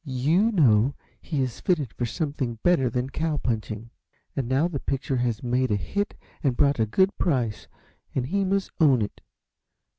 YOU know he is fitted for something better than cow punching. And now the picture has made a hit and brought a good price, and he must own it.